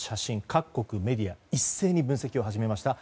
各国メディアが一斉に分析を始めました。